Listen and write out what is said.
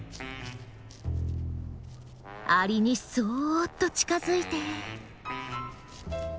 アリにそっと近づいて。